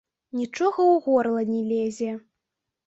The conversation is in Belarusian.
Нічога ў горла не лезе.